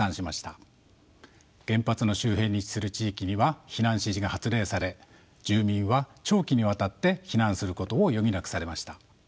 原発の周辺に位置する地域には避難指示が発令され住民は長期にわたって避難することを余儀なくされました。